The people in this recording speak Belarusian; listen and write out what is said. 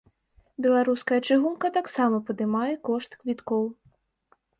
Беларуская чыгунка таксама падымае кошт квіткоў.